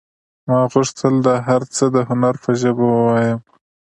ما غوښتل دا هر څه د هنر په ژبه ووایم